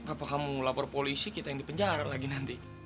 apa kamu lapor polisi kita yang dipenjar lagi nanti